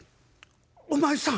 「お前さん